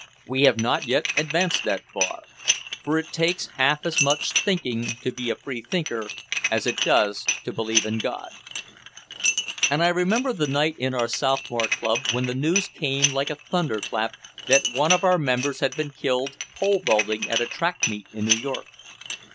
'We have not yet advanced that far. For it takes half as much thinking to be a free thinker as it does to believe in God.'" And I remember the night in our sophomore club when the news came like a thunderclap that one of our members had been killed pole vaulting at a track meet in New York.